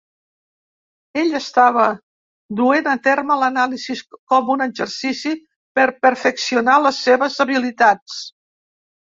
Ell estava duent a terme l'anàlisi com un exercici per perfeccionar les seves habilitats.